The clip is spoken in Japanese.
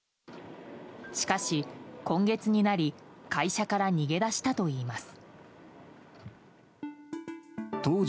しかし、今月になり会社から逃げ出したといいます。